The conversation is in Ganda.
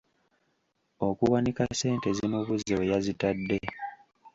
Okuwanika ssente zimubuze we yazitadde.